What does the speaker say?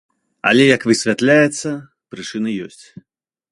Але як высвятляецца, прычыны ёсць.